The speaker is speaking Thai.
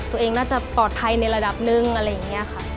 ตัวเองน่าจะปลอดภัยในระดับหนึ่งอะไรอย่างนี้ค่ะ